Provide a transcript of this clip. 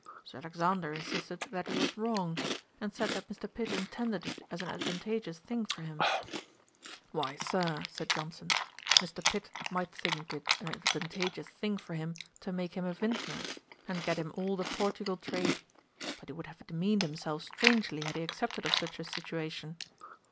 Sir Alexander insisted that he was wrong; and said that Mr. Pitt intended it as an advantageous thing for him. 'Why, Sir, (said Johnson,) Mr. Pitt might think it an advantageous thing for him to make him a vintner, and get him all the Portugal trade; but he would have demeaned himself strangely had he accepted of such a situation.